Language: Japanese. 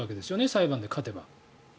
裁判で勝てば。